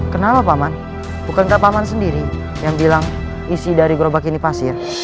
kenapa paman bukankah paman sendiri yang bilang isi dari gerobak ini pasir